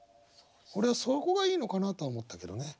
俺はそこがいいのかなとは思ったけどね。